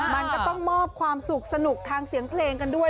มันก็ต้องมอบความสุขสนุกทางเสียงเพลงกันด้วย